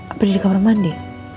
apa dia di kamar mandi